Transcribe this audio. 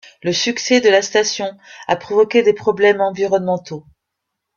Le succès de la station a provoqué des problèmes environnementaux.